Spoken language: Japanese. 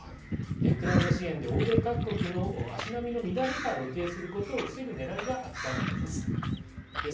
ウクライナ支援で欧米各国の足並みの乱れが露呈することを防ぐねらいがあったわけです。